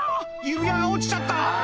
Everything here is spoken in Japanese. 指輪が落ちちゃった」